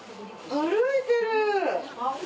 歩いてる！